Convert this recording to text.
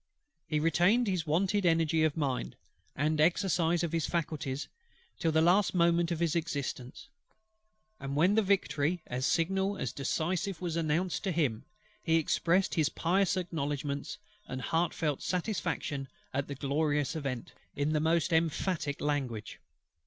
He retained his wonted energy of mind, and exercise of his faculties, till the last moment of his existence; and when the victory as signal as decisive was announced to him, he expressed his pious acknowledgments, and heart felt satisfaction at the glorious event, in the most emphatic language.